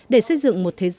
để xây dựng một thế giới